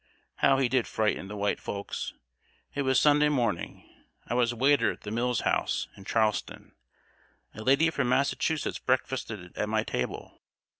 How he did frighten the white folks! It was Sunday morning. I was waiter at the Mills House, in Charleston. A lady from Massachusetts breakfasted at my table.